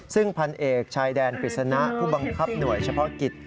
ซึ่งพันเอกชายแดนกฤษณะผู้บังคับหน่วยเฉพาะกิจ